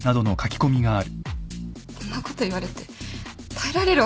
こんなこと言われて耐えられるわけないよ。